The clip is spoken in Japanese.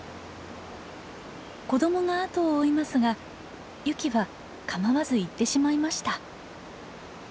子どもが後を追いますがユキは構わず行ってしまいました。